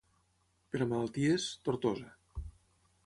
Per a malalties, Tortosa.